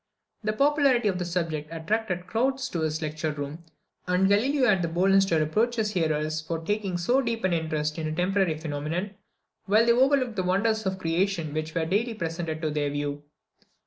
The popularity of the subject attracted crowds to his lecture room; and Galileo had the boldness to reproach his hearers for taking so deep an interest in a temporary phenomenon, while they overlooked the wonders of creation which were daily presented to their view.